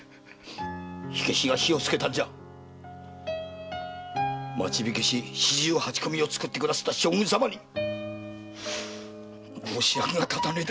火消しが火を付けたんじゃあ町火消し四十八組を作ってくれた将軍様に申し訳が立たねえだろ。